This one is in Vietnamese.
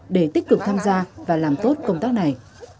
để tích cực tham gia và làm tốt công tác này